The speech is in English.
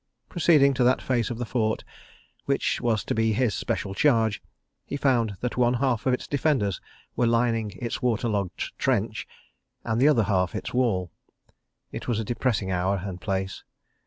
Proceeding to that face of the fort which was to be his special charge, he found that one half of its defenders were lining its water logged trench, and the other half, its wall. It was a depressing hour and place.